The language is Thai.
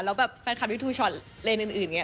แล้วแฟนคลับที่ทูชอณเล่นอื่นยังงี้